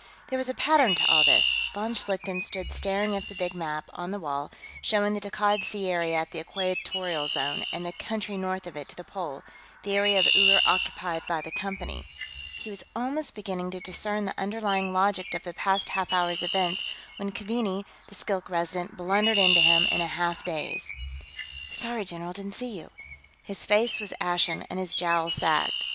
There was a pattern to all this. Von Schlichten stood staring at the big map, on the wall, showing the Takkad Sea area at the Equatorial Zone, and the country north of it to the pole, the area of Uller occupied by the Company. He was almost beginning to discern the underlying logic of the past half hour's events when Keaveney, the Skilk Resident, blundered into him in a half daze. "Sorry, general, didn't see you." His face was ashen, and his jowls sagged.